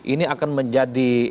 ini akan menjadi